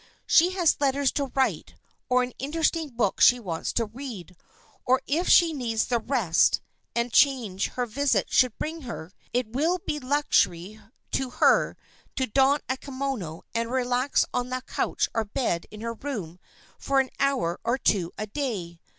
She has letters to write, or an interesting book she wants to read, or, if she needs the rest and change her visit should bring her, it will be luxury to her to don a kimono and relax on the couch or bed in her room for an hour or two a day.